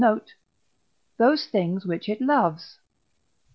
note), those things which it loves.